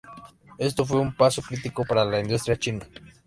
Esto fue un paso crítico para la industria china.